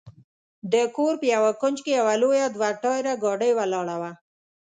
د کور په یوه کونج کې یوه لویه دوه ټایره ګاډۍ ولاړه وه.